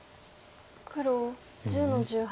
黒１０の十八。